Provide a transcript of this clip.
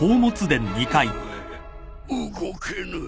う動けぬ。